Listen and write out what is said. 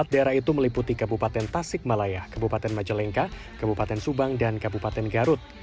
empat daerah itu meliputi kabupaten tasik malaya kabupaten majalengka kabupaten subang dan kabupaten garut